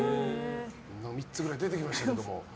３つくらい出てきましたけど。